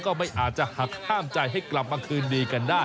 ก็ไม่อาจจะหักห้ามใจให้กลับมาคืนดีกันได้